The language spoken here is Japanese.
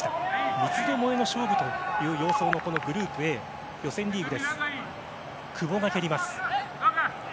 三つ巴の勝負という様相のこのグループＡ、予選リーグ。